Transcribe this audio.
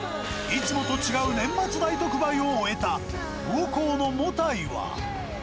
いつもと違う年末大特売を終えた、魚幸の茂田井は。